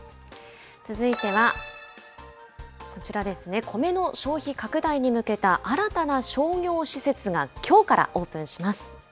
続いては、こちらですね、米の消費拡大に向けた新たな商業施設がきょうからオープンします。